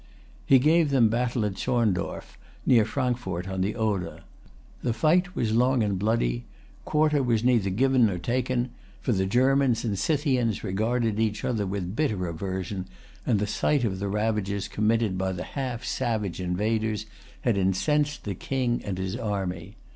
He gave them battle at Zorndorf, near Frankfort on the Oder. The fight was long and bloody. Quarter was neither given nor taken; for the Germans and Scythians regarded each other with bitter aversion, and the sight of the ravages committed by the half savage invaders had incensed the King and his army.